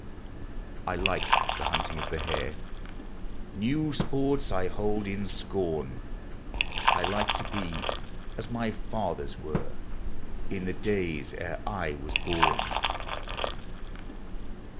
I like the hunting of the hare; New sports I hold in scorn. I like to be as my fathers were, In the days ere I was horn.